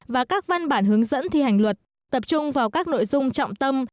và các văn bản hướng dẫn thi hành luật tập trung vào các nội dung trọng tâm